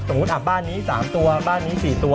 สมมุติบ้านนี้๓ตัวบ้านนี้๔ตัว